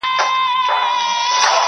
جانان مي مه رسوا کوه ماته راځینه-